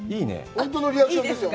ほんとのリアクションですよ。